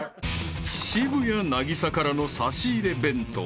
［渋谷凪咲からの差し入れ弁当］